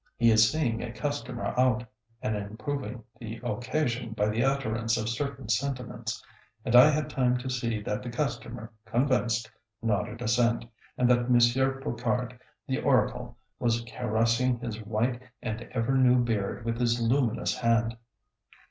He is seeing a customer out, and improving the occasion by the utterance of certain sentiments; and I had time to see that the customer, convinced, nodded assent, and that Monsieur Pocard, the oracle, was caressing his white and ever new beard with his luminous hand.